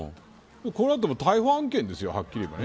これなんか逮捕案件ですよはっきり言って。